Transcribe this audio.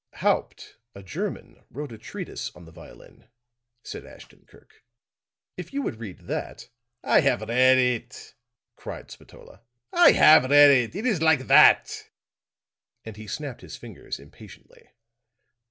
"Haupt, a German, wrote a treatise on the violin," said Ashton Kirk. "If you would read that " "I have read it," cried Spatola. "I have read it! It is like that," and he snapped his fingers impatiently.